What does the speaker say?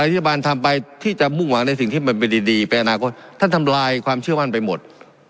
รัฐบาลทำไปที่จะมุ่งหวังในสิ่งที่มันเป็นดีเป็นอนาคตท่านทำลายความเชื่อมั่นไปหมด